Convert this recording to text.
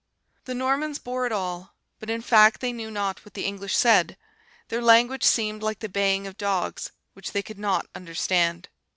"The Normans bore it all, but in fact they knew not what the English said: their language seemed like the baying of dogs, which they could not understand.